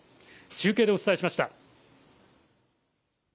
中継でお伝えしました。